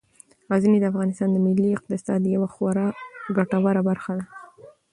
غزني د افغانستان د ملي اقتصاد یوه خورا ګټوره برخه ده.